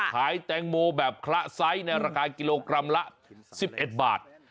ขายแตงโมแบบคละไซส์ในราคากิโลกรัมละ๑๑บาท